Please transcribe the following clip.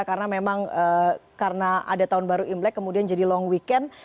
karena memang karena ada tahun baru imlek kemudian jadi long weekend